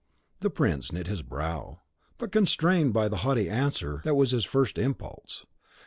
The prince knit his brow, but constrained the haughty answer that was his first impulse.